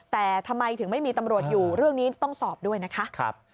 แต่ทำไมถึงไม่มีตำรวจอยู่เรื่องนี้ต้องสอบด้วยนะคะ